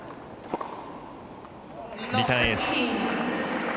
リターンエース。